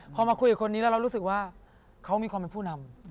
พอมาคุยกับคนนี้แล้วเรารู้สึกว่าเขามีความเป็นผู้นำ